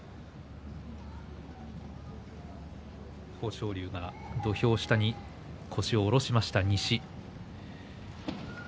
豊昇龍が土俵下に腰を下ろしました、西。